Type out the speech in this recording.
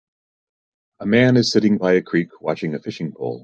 A man is sitting by a creek, watching a fishing pole.